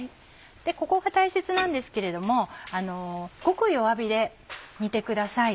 ここが大切なんですけれどもごく弱火で煮てください。